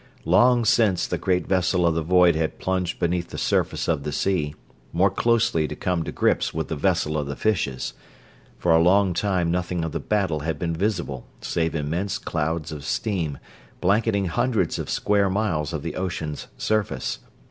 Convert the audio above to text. Long since the great vessel of the void had plunged beneath the surface of the sea, more closely to come to grips with the vessel of the fishes; for a long time nothing of the battle had been visible save immense clouds of steam, blanketing hundreds of square miles of the ocean's surface.